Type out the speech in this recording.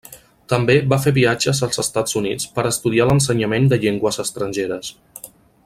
També va fer viatges als Estats Units per estudiar l'ensenyament de llengües estrangeres.